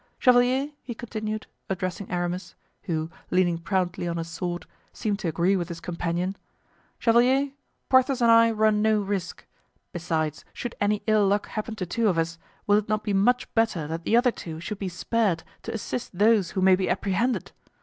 Chevalier," he continued, addressing Aramis, who, leaning proudly on his sword, seemed to agree with his companion, "Chevalier, Porthos and I run no risk; besides, should any ill luck happen to two of us, will it not be much better that the other two should be spared to assist those who may be apprehended?